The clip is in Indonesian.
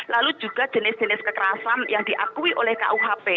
lalu juga jenis jenis kekerasan yang diakui oleh kuhp